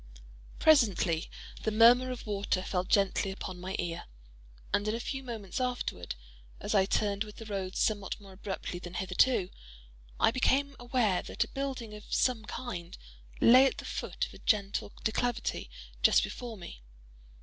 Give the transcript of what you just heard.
Presently the murmur of water fell gently upon my ear—and in a few moments afterward, as I turned with the road somewhat more abruptly than hitherto, I became aware that a building of some kind lay at the foot of a gentle declivity just before me.